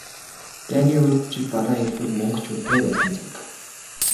Дайны урьд жил бараа элбэг, мөнгө ч үнэтэй байсан цаг.